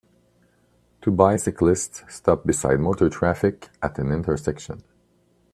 Two bicyclists stop beside motor traffic at an intersection.